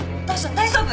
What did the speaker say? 大丈夫？